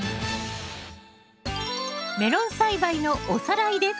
メロン栽培のおさらいです。